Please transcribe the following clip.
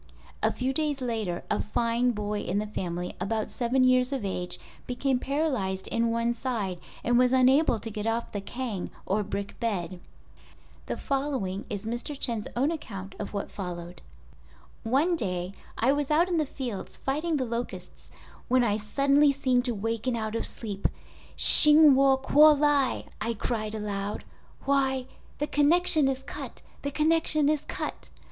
A few days later a fine boy in the family, about seven years of age, became paralyzed in one side and was unable to get off the kang (or brick bed). The following is Mr. Chen's own account of what followed. "One day I was out in the fields fighting the locusts when I suddenly seemed to waken out of sleep. "Hsing Wu kuo lai" I cried aloud—'Why! _the connection is cut! The connection is cut!